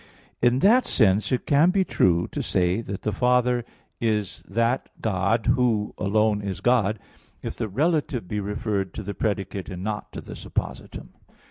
In that sense it can be true to say that the Father is that God Who alone is God, if the relative be referred to the predicate, and not to the _suppositum.